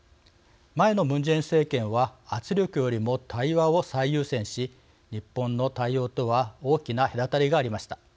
前のムン・ジェイン政権は圧力よりも対話を最優先し日本の対応とは大きな隔たりがありました。